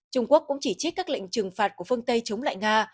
trung quốc cũng chỉ trích các lệnh trừng phạt của phương tây chống lại nga